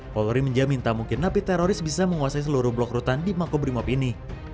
polri menjamin tak mungkin napi teroris bisa menguasai seluruh blok rutan di makobrimob ini